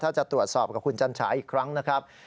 ถ้าจะตรวจสอบกับคุณจันฉาอีกครั้งนะครับ